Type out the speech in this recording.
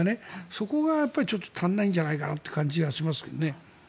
そこがちょっと足りないんじゃないかなという気がしますけど。